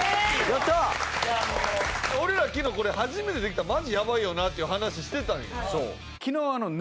俺ら昨日これ初めてでできたらマジやばいよなっていう話してたんよ。